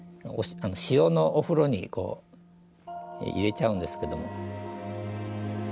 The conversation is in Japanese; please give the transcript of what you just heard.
塩のお風呂に入れちゃうんですけども。